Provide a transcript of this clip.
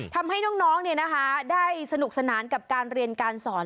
ทำให้น้องได้สนุกสนานกับการเรียนการสอน